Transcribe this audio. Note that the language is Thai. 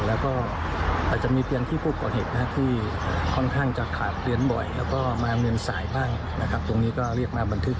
แล้วก็อาจจะมีเตียงที่ผู้ก่อเหตุที่ค่อนข้างจะขาดเตียงบ่อยแล้วก็มาเมินสายบ้างนะครับตรงนี้ก็เรียกมาบันทึก